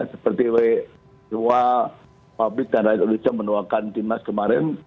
seperti dua publik dan rakyat indonesia menuakan timnas kemarin